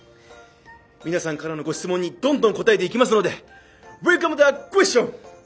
皆さんからのご質問にどんどん答えていきますのでウェルカムザクエスチョン！